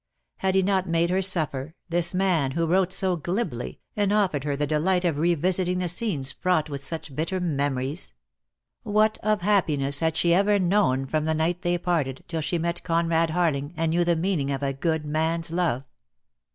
Had he not made her suffer, this man, who wrote so glibly, and offered her the delight of revisiting the scenes fraught with such bitter memories? What of happiness had she ever known from the night they parted, till she met Conrad Harling, and knew the meaning of a good man's love?